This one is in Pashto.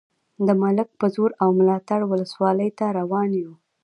د ملک په زور او ملاتړ ولسوالۍ ته روان یو.